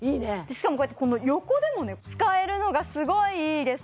しかもこうやって横でも使えるのがすごいいいです